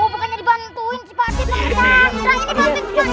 bukannya dibantuin si pak d